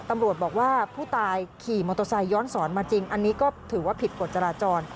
ตำรวจบอกว่าผู้ตายขี่มอเตอร์ไซค์ย้อนสอนมาจริงอันนี้ก็ถือว่าผิดกฎจราจร